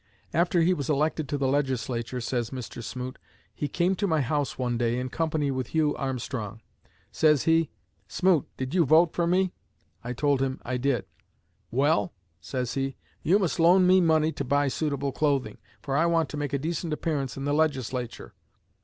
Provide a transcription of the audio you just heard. After he was elected to the Legislature, says Mr. Smoot, "he came to my house one day in company with Hugh Armstrong. Says he, 'Smoot, did you vote for me?' I told him I did. 'Well,' says he, 'you must loan me money to buy suitable clothing, for I want to make a decent appearance in the Legislature.'